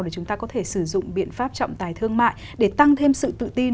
để chúng ta có thể sử dụng biện pháp trọng tài thương mại để tăng thêm sự tự tin